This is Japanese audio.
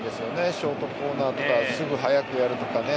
ショートコーナーとかすぐ早くやるとかね。